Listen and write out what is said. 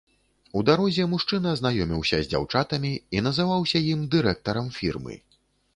У дарозе мужчына знаёміўся з дзяўчатамі і называўся ім дырэктарам фірмы.